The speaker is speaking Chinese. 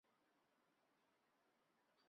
两栖车辆大致上可分为军用及民用。